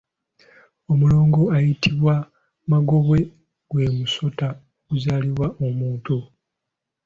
Omulongo ayitibwa Magobwe gw’emusota oguzaalibwa omuntu.